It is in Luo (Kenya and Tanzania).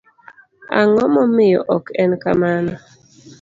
ang'o momiyo ok en kamano?